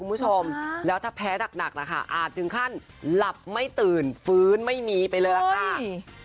มันคือชมแล้วถ้าแพ้ดักนะคะหาถึงขั้นหลับไม่ตื่นพื้นไม่บีบไปเลิฟค่า